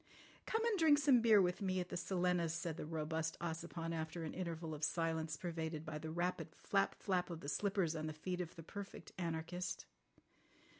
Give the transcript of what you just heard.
"Come and drink some beer with me at the Silenus," said the robust Ossipon after an interval of silence pervaded by the rapid flap, flap of the slippers on the feet of the Perfect Anarchist.